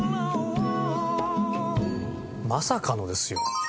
まさかのですよ。